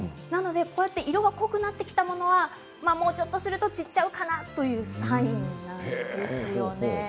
こうやって色が濃くなってきたものはもうちょっとすると散っちゃうのかなというサインなんです。